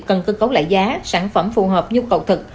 cần cơ cấu lại giá sản phẩm phù hợp nhu cầu thực